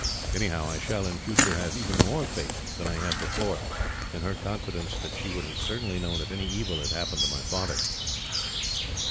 Anyhow, I shall, in future, have even more faith than I had before, in her confidence that she would have certainly known if any evil had happened to my father."